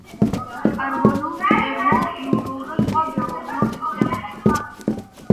კარბონულ, პერმულ, იურულ და სხვა გეოლოგიურ სისტემებში.